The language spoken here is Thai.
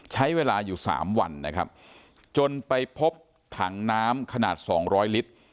ใช้เวลาอยู่๓วันจนไปพบถังน้ำขนาด๒๐๐ลิตร